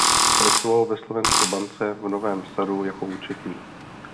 Pracoval ve Slovenské bance v Novém Sadu jako účetní.